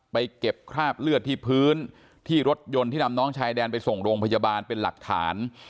เก็บคราบเลือดที่พื้นที่รถยนต์ที่นำน้องชายแดนไปส่งโรงพยาบาลเป็นหลักฐาน